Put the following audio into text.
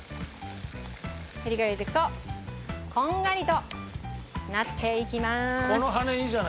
へりから入れていくとこんがりとなっていきます。